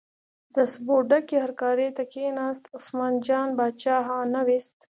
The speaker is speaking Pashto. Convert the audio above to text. د سبو ډکې هرکارې ته کیناست، عثمان جان باچا اه نه ویست.